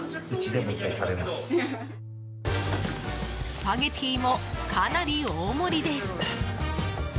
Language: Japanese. スパゲティもかなり大盛りです。